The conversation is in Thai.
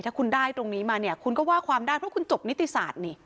ถ้าคุณได้ตรงนี้มาเนี่ยคุณก็ว่าความได้เพราะคุณจบนิติศาสตร์นี่